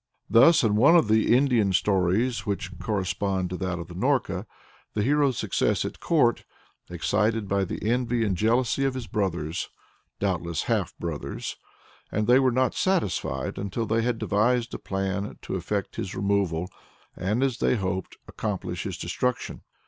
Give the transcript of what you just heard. Thus, in one of the Indian stories which correspond to that of Norka, the hero's success at court "excited the envy and jealousy of his brothers [doubtless half brothers], and they were not satisfied until they had devised a plan to effect his removal, and, as they hoped, accomplish his destruction."